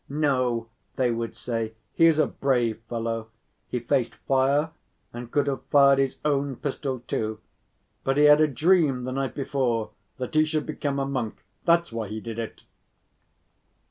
"No," they would say, "he is a brave fellow, he faced fire and could have fired his own pistol too, but he had a dream the night before that he should become a monk, that's why he did it."